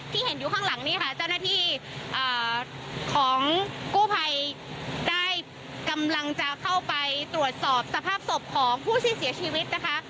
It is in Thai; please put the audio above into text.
เห็นอยู่ข้างหลังนี้ค่ะเจ้าหน้าที่ของกู้ภัยได้กำลังจะเข้าไปตรวจสอบสภาพศพของผู้ที่เสียชีวิตนะคะ